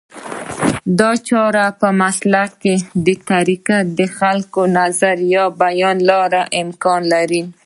دا چاره په مسلکي طریقه د خپل نظر د بیان له لارې امکان لري